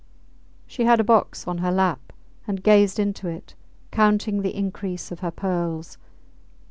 She had a box on her lap, and gazed into it, counting the increase of her pearls.